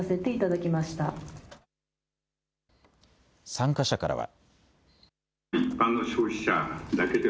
参加者からは。